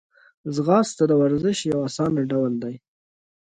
ځغاسته د ورزش یو آسانه ډول دی